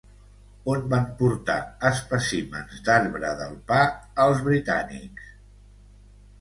On van portar espècimens d'arbre del pa els britànics?